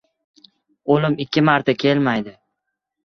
• O‘lim ikki marta kelmaydi.